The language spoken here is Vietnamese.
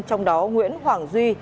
trong đó nguyễn hoàng duy